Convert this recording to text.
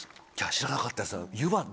知らなかったです。